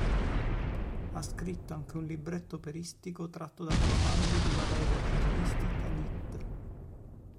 Ha scritto anche un libretto operistico tratto dal romanzo di Valerio Evangelisti "Tanit".